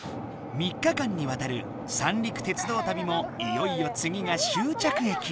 ３日間にわたる三陸鉄道旅もいよいよ次が終着駅。